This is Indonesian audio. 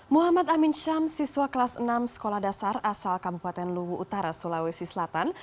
muhammad amin syam siswa kelas enam sekolah dasar asal kabupaten luwu utara sulawesi selatan